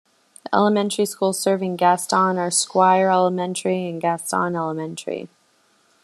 The elementary schools serving Gaston are Squire Elementary and Gaston Elementary.